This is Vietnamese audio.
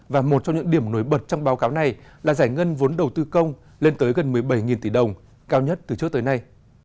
và một trong những điểm nổi bật trong báo cáo này là giải ngân vốn đầu tư công lên tới gần một mươi bảy tỷ đồng cao nhất từ trước tới nay